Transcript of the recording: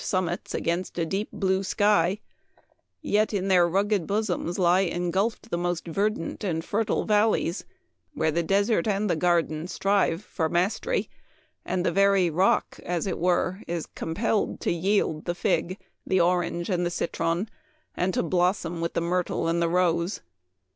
2 1 r summits against a deep blue sky, yet in their rugged bosoms lie engulfed the most verdant and fertile valleys, where the desert and the garden strive for mastery, and the very roek, as it were, is eompelled to yield the fig, the orange, and the citron, and to blossom with the myrtle and the rose.